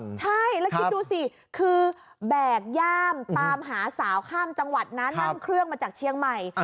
ใช่แล้วคิดดูสิคือแบกย่ามตามหาสาวข้ามจังหวัดนะนั่งเครื่องมาจากเชียงใหม่